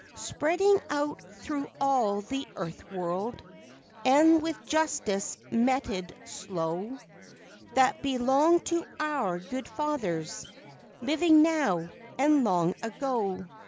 Spreading out throug*h all the earth world, And with justice meted slow, That belong to our good fathers, Living now and long ago.